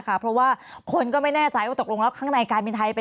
เพราะว่าคนก็ไม่แน่ใจว่าตกลงแล้วข้างในการบินไทยเป็น